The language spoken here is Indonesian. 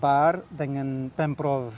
juga ada kerjasama dengan lembaga lembaga selain itu